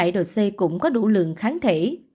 ba mươi bảy độ c cũng có đủ lượng kháng thể